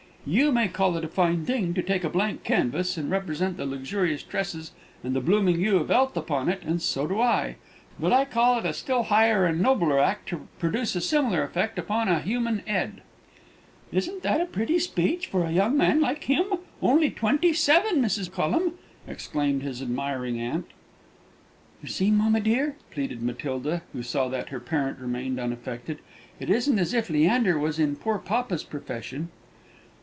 You may call it a fine thing to take a blank canvas, and represent the luxurious tresses and the blooming hue of 'ealth upon it, and so do I; but I call it a still higher and nobler act to produce a similar effect upon a human 'ed!" "Isn't that a pretty speech for a young man like him only twenty seven Mrs. Collum?" exclaimed his admiring aunt. "You see, mamma dear," pleaded Matilda, who saw that her parent remained unaffected, "it isn't as if Leander was in poor papa's profession."